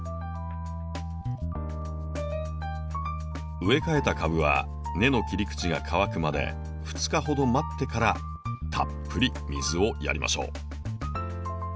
植え替えた株は根の切り口が乾くまで２日ほど待ってからたっぷり水をやりましょう。